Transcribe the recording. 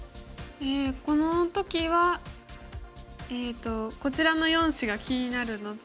この時はこちらの４子が気になるのと。